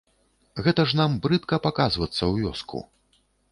Гэта ж нам брыдка паказвацца ў вёску.